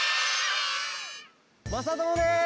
まさともです！